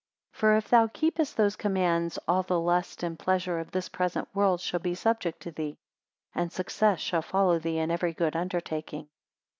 4 For if thou keepest those commands, all the lust and pleasure of this present world shall be subject to thee; and success shall follow thee in every good undertaking.